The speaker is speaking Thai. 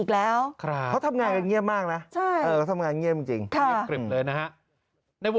แล้วจะมีกลุ่มที่๔อีกแล้ว